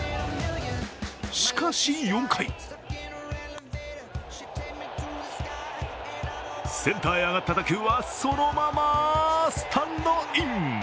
しかし４回センターへ上がった打球はそのままスタンドイン。